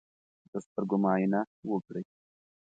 د سترګو معاینه وکړئ.